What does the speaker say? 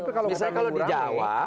misalnya kalau di jawa